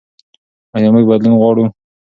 ایا موږ بدلون غواړو؟